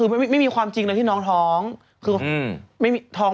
เออนางแจมนางแจมว่ายังไงบ้าง